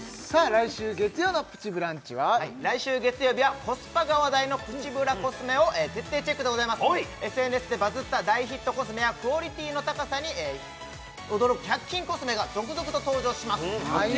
来週月曜の「プチブランチ」は来週月曜日はコスパが話題のプチプラコスメを徹底チェックでございますＳＮＳでバズった大ヒットコスメやクオリティーの高さに驚く１００均コスメが続々と登場します